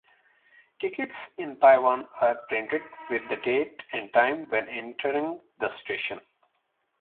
Tickets in Taiwan are printed with the date and time when entering the station.